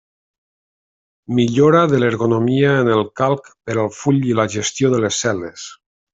Millora de l'ergonomia en el Calc per al full i la gestió de les cel·les.